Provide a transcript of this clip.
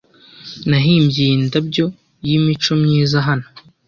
nahimbye iyi ndabyo yimico myiza hano